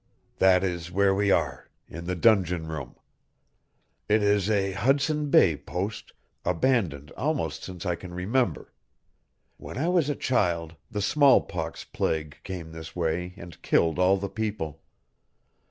That is where we are in the dungeon room. It is a Hudson Bay post, abandoned almost since I can remember. When I was a child the smallpox plague came this way and killed all the people.